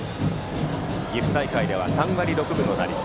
岐阜大会では３割６分の打率。